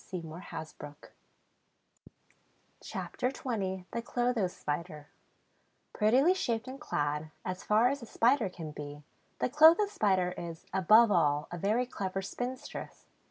CHAPTER XX THE CLOTHO SPIDER Prettily shaped and clad, as far as a Spider can be, the Clotho Spider is, above all, a very clever spinstress.